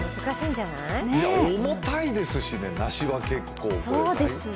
重たいですしね、梨は結構ね。